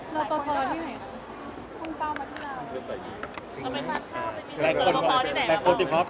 โดยเข้าถ้ำกัดให้บทบาท